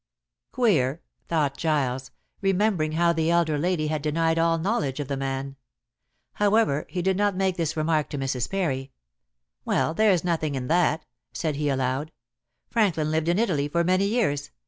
"Queer," thought Giles, remembering how the elder lady had denied all knowledge of the man. However, he did not make this remark to Mrs. Parry. "Well, there's nothing in that," said he aloud. "Franklin lived in Italy for many years.